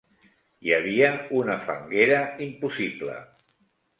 Hi havia una fanguera impossible.